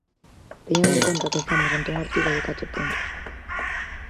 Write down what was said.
Teñan en conta que estamos ante un artigo de catro puntos.